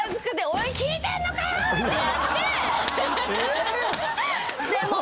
「おい聞いてんのか！」と。